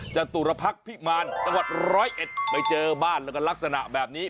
จตุรพักษ์พิมารจังหวัดร้อยเอ็ดไปเจอบ้านแล้วก็ลักษณะแบบนี้